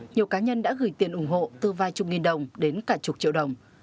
nhiều cá nhân đã gửi tiền ủng hộ từ vài chục nghìn đồng đến cả chục triệu đồng